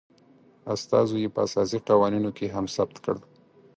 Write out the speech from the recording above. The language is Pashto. استازو یي په اساسي قوانینو کې هم ثبت کړ